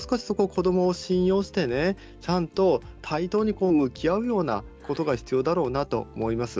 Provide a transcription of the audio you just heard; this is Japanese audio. もう少し子どもを信用して、ちゃんと対等に向き合うようなことが必要だろうなと思います。